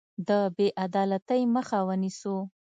د بې عدالتۍ مخه ونیسو.